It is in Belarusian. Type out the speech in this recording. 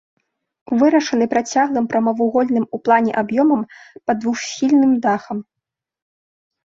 Вырашаны працяглым прамавугольным у плане аб'ёмам пад двухсхільным дахам.